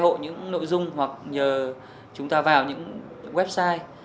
nhờ những cái nội dung hoặc nhờ chúng ta vào những cái website